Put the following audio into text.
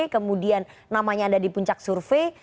kemudian namanya ada di puncak survei